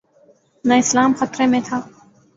نہ اسلام خطرے میں تھا۔